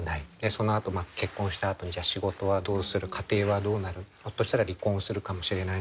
そのあと結婚したあとに仕事はどうする家庭はどうなるひょっとしたら離婚するかもしれないし。